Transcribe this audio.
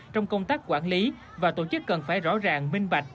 trong công tác quản lý và tổ chức cần phải rõ ràng minh bạch